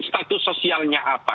status sosialnya apa